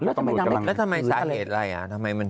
แล้วทำไมสาเหตุอะไรอ่ะ